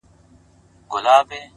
وخت د حقیقت تر ټولو وفادار شاهد دی!